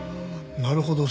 なるほど。